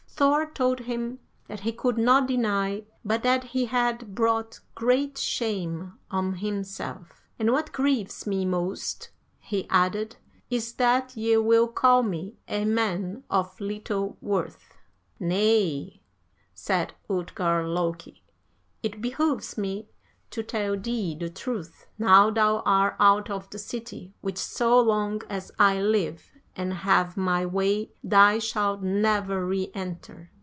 Thor told him that he could not deny but that he had brought great shame on himself. 'And what grieves me most,' he added, 'is that ye will call me a man of little worth.' 55. "'Nay,' said Utgard Loki, 'it behooves me to tell thee the truth now thou are out of the city which so long as I live, and have my way, thou shalt never re enter.